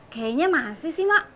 kayaknya masih sih mak